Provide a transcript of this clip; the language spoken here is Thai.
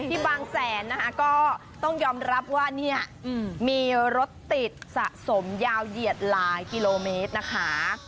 บางแสนนะคะก็ต้องยอมรับว่าเนี่ยมีรถติดสะสมยาวเหยียดหลายกิโลเมตรนะคะ